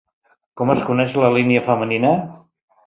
Com es coneix la línia femenina?